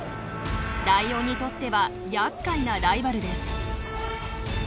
ライオンにとってはやっかいなライバルです。